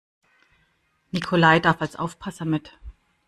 Nikolai darf als Aufpasser mit.